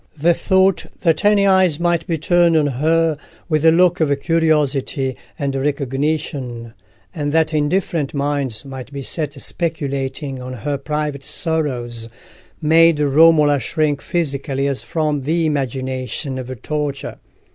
The thought that any eyes might be turned on her with a look of curiosity and recognition, and that indifferent minds might be set speculating on her private sorrows, made Romola shrink physically as from the imagination of torture.